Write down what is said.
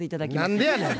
何でやねん。